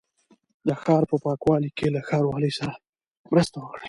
د ښار په پاکوالي کې له ښاروالۍ سره مرسته وکړئ.